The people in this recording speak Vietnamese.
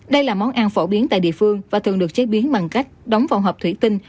đây là món ăn phổ biến tại địa phương và thường được chế biến bằng cách đóng vào hộp thủy tinh